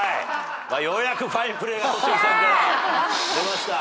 ようやくファインプレーが戸次さんから出ました。